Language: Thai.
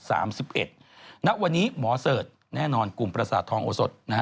ณวันนี้หมอเสิร์ชแน่นอนกลุ่มประสาททองโอสดนะฮะ